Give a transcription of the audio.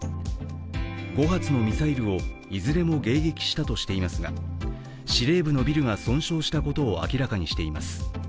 ５発のミサイルをいずれも迎撃したとしていますが司令部のビルが損傷したことを明らかにしています。